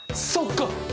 そっか！